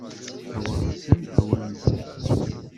A waɣzen a wamzen!